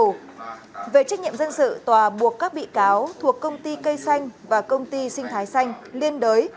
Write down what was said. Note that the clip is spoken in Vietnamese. công ty trách nhiệm hữu hạn thuộc công ty cây xanh và công ty sinh thái xanh liên đới